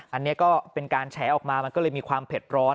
อันนี้ก็เป็นการแฉออกมามันก็เลยมีความเผ็ดร้อน